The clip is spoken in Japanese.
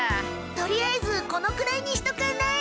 とりあえずこのくらいにしとかない？